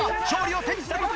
勝利！